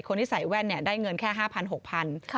ที่ใส่แว่นได้เงินแค่๕๐๐๖๐๐บาท